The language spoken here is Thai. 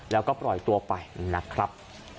แล้วก็ปล่อยตัวไปนะครับ